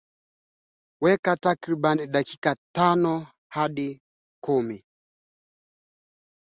baina ya wanyama wagonjwa na wasio wagonjwa